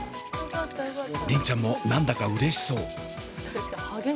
梨鈴ちゃんも何だかうれしそう。